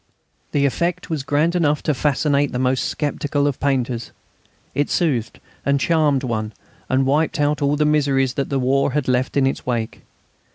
The effect was grand enough to fascinate the most sceptical of painters; it soothed and charmed one and wiped out all the miseries that the war had left in its wake.